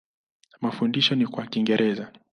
Mafundisho ni kwa Kiingereza.